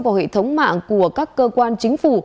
vào hệ thống mạng của các cơ quan chính phủ